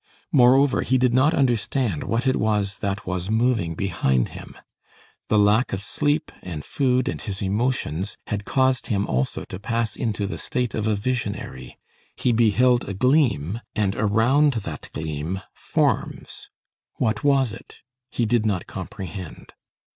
Moreover, he did not understand what it was that was moving behind him. The lack of sleep and food, and his emotions had caused him also to pass into the state of a visionary. He beheld a gleam, and around that gleam, forms. What was it? He did not comprehend.